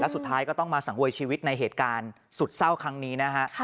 สุดท้ายก็ต้องมาสังเวยชีวิตในเหตุการณ์สุดเศร้าครั้งนี้นะฮะ